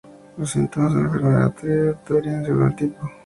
Los síntomas de la enfermedad tiroidea varían según el tipo.